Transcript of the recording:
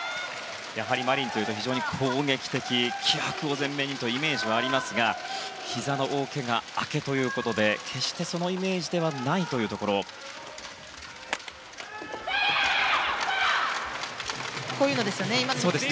やはりマリンというと非常に攻撃的気迫を前面にというイメージはありますがひざの大けが明けということで決して、そのイメージではないというところもあります。